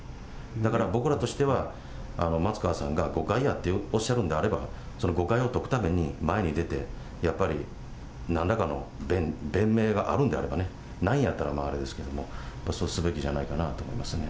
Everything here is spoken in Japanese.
だから僕らとしては、松川さんが誤解やっておっしゃるんであれば、その誤解を解くために前に出て、やっぱりなんらかの弁明があるんであればね、ないんやったらまあ、あれですけれども、やっぱりそうするべきじゃないかなと思いますね。